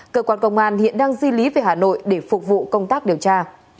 cơ quan công an hiện đang di lý về hà nội để phục vụ công tác điều tra